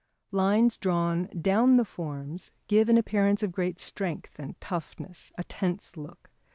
Lines drawn down the forms give an appearance of great strength and toughness, a tense look.